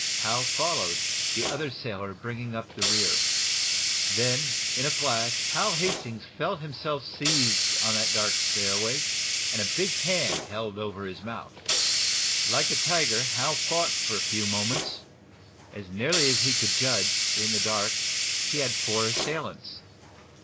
Hal followed, the other sailor bringing up the rear. Then, like a flash, Hal Hastings felt him self seized on that dark stairway, and a big hand held over his mouth. Like a tiger Hal fought for a few moments. As nearly as he could judge, in the dark, he had four assailants.